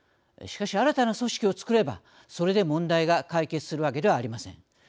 しかし、新たな組織を作れば問題が解決するわけではありません。